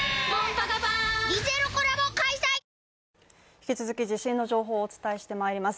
引き続き地震の情報をお伝えしてまいります。